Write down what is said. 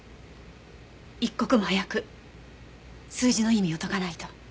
一刻も早く数字の意味を解かないと。